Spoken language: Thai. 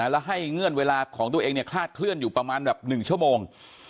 และให้เงื่อนเวลาของตัวเองเนี่ยคลาดเคลื่อนอยู่ประมาณแบบ๑ชั่วโมง